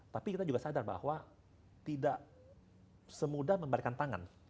tapi kita juga sadar bahwa tidak semudah membalikan tangan